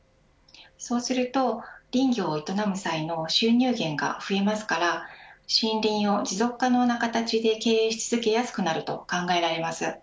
そうすると林業を営む際の収入源が増えますから森林を持続可能な形で経営し続けやすくなると考えられます。